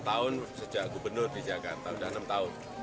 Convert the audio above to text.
lima tahun sejak gubernur di jakarta sudah enam tahun